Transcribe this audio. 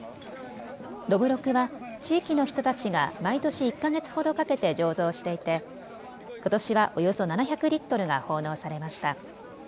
どぶろくは地域の人たちが毎年１か月ほどかけて醸造していてことしはおよそ７００リットルが奉納されました。